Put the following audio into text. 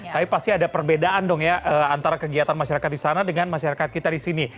tapi pasti ada perbedaan dong ya antara kegiatan masyarakat di sana dengan masyarakat kita di sini